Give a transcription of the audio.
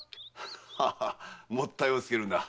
ハハハもったいをつけるな。